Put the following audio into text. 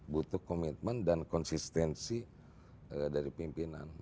butuh komitmen dan konsistensi dari pimpinan